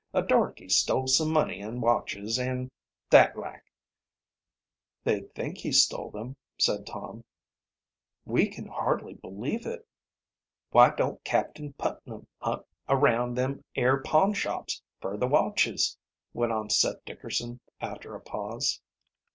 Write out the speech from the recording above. A darkey stole some money an' watches, an' that like." "They think he stole them," said Tom. "We can hardly believe it." "Why don't Captain Putnam hunt around them air pawnshops fer the watches?" went on Seth Dickerson, after a pause.